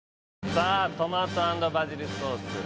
さあトマト＆バジルソース